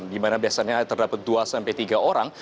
dimana biasanya terdapat dua sampai tiga orang